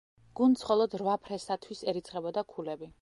გუნდს მხოლოდ რვა ფრესათვის ერიცხებოდა ქულები.